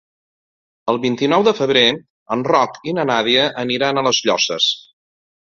El vint-i-nou de febrer en Roc i na Nàdia aniran a les Llosses.